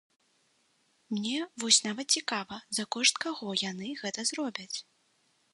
Мне вось нават цікава, за кошт каго яны гэта зробяць?